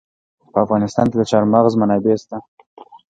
په افغانستان کې د چار مغز منابع شته.